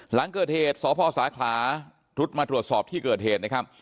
หลังเกิดเหตุสพสาขาชุดมาตรวจสอบที่เกิดเหตุนะครับ